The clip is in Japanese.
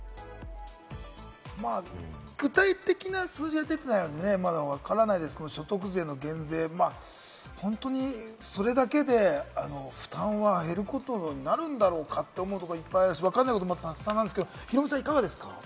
具体的な数字は出てないですから、まだわからないですけれど、所得税の減税、本当にそれだけで負担は減ることになるんだろうかって思うところはいっぱいあるし、わからないこともたくさんなんですけれども、ヒロミさんいかがですか？